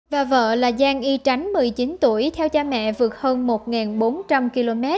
và vợ là giang y tránh một mươi chín tuổi theo cha mẹ vượt hơn một bốn trăm linh km